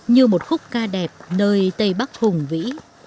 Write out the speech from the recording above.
như một khúc ca đẹp nơi tây bắc hùng vĩ